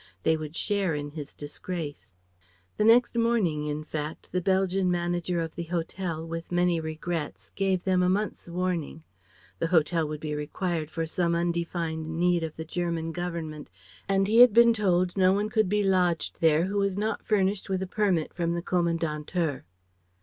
They would share in his disgrace. The next morning in fact the Belgian manager of the hotel with many regrets gave them a month's warning. The hotel would be required for some undefined need of the German Government and he had been told no one could be lodged there who was not furnished with a permit from the Kommandantur.